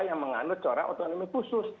yang menganut corak otonomi khusus